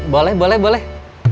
boleh boleh boleh